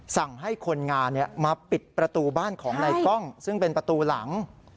สั่งให้คนงานมาปิดประตูบ้านของนายกล้องซึ่งเป็นประตูหลัง